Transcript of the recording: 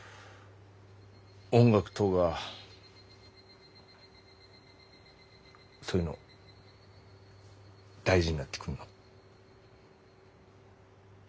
音楽とかそういうの大事になってくんの。